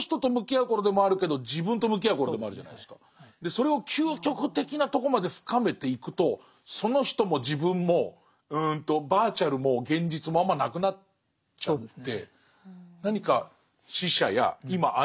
それを究極的なとこまで深めていくとその人も自分もバーチャルも現実もあんまなくなっちゃって何か死者や今会えない人と会ってる。